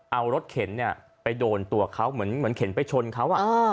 เอารถเข็นเนี่ยไปโดนตัวเขาเหมือนเข็นไปชนเขา